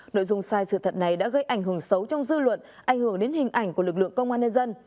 nội dung sai sự thật này đã gây ảnh hưởng xấu trong dư luận ảnh hưởng đến hình ảnh của lực lượng công an nhân dân